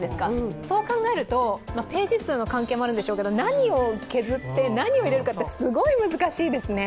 そう考えると、ページ数の関係もあるんでしょうけれども、何を削って何を入れるかってすごい難しいですね。